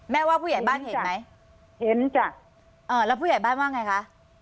ว่าผู้ใหญ่บ้านเห็นไหมเห็นจ้ะเอ่อแล้วผู้ใหญ่บ้านว่าไงคะ